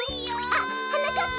あっはなかっぱ！